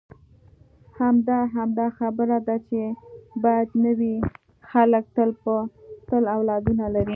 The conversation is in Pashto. همدا، همدا خبره ده چې باید نه وي، خلک تل اولادونه لري.